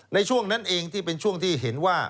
ในช่วงนั้นเองที่เป็นช่วงที่เห็นว่า